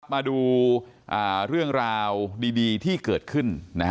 มาดูเรื่องราวดีที่เกิดขึ้น